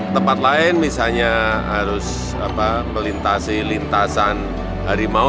tempat lain misalnya harus melintasi lintasan harimau